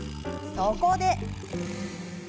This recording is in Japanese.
そこで。